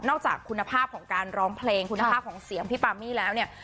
จากคุณภาพของการร้องเพลงคุณภาพของเสียงพี่ปามี่แล้วเนี่ย